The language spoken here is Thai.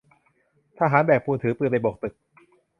ทหารแบกปูนถือปืนไปโบกตึก